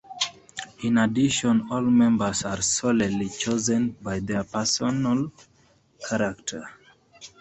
In addition, all members are solely chosen by their personal character.